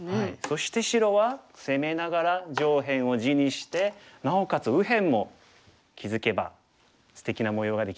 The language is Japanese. そして白は攻めながら上辺を地にしてなおかつ右辺も気付けばすてきな模様ができましたよね。